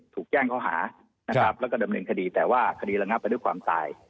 ถูกแจ้งข้อหานะครับแล้วก็ดำเนินคดีแต่ว่าคดีระงับไปด้วยความตาย